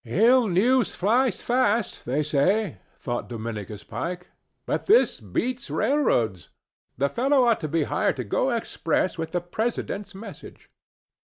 "Ill news flies fast, they say," thought Dominicus Pike, "but this beats railroads. The fellow ought to be hired to go express with the President's message."